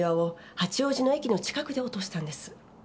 八王子の駅の近くで落としたんです。